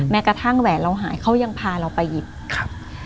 แม้กระทั่งแหวนเราหายเขายังพาเราไปหยิบครับ